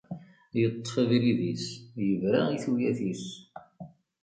Yeṭṭef abrid-is yebra i tuyat-is.